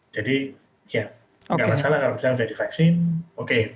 jadi ya tidak masalah kalau sudah divaksin oke